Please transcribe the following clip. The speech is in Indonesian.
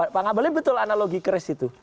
pak ngabalin betul analogi chris itu